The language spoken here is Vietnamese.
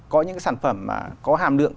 có những sản phẩm mà có hàm lượng